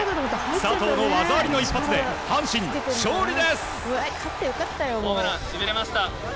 佐藤の技ありの一発で阪神、勝利です。